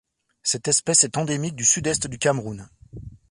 Cette espèce est endémique du Sud-Est du Cameroun.